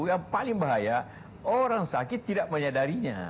yang paling bahaya orang sakit tidak menyadarinya